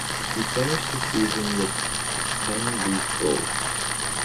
He finished the season with ten league goals.